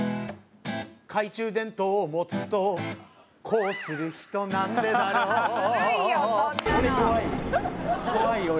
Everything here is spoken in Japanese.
「懐中電灯を持つとこうする人なんでだろう」ずるいよ